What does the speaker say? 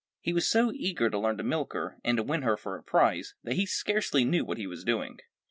He was so eager to learn to milk her, and to win her for a prize, that he scarcely knew what he was doing.